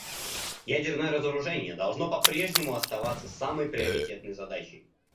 Ядерное разоружение должно по-прежнему оставаться самой приоритетной задачей.